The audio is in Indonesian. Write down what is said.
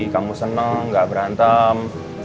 kamu seneng gak berantem